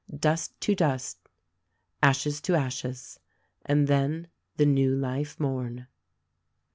Dust to dust ! Ashes to ashes ! And then the New Life morn.